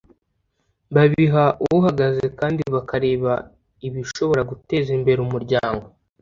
Babiha uhagaze kandi bakareba ibishobora guteza imbere umuryango